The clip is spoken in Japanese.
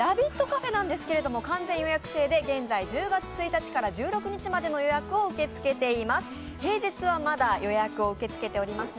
カフェなんですけれども完全予約制で現在１０月１日から１６日までの予約を受け付けています。